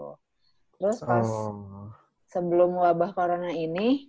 terus pas sebelum wabah corona ini